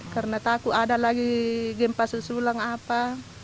karena takut ada lagi gempa sesulang apa